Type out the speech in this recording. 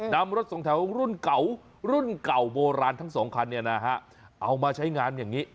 นำรถสองแถวรุ่นเก่ารุ่นเก่าโบราณทั้งสองคันเนี่ยนะฮะเอามาใช้งานอย่างนี้